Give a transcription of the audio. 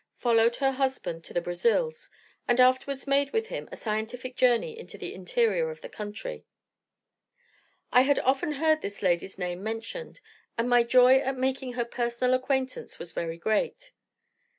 followed her husband to the Brazils, and afterwards made with him a scientific journey into the interior of the country. I had often heard this lady's name mentioned, and my joy at making her personal acquaintance was very great.